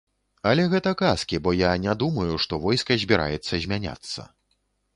Але гэта казкі, бо я не думаю, што войска збіраецца змяняцца.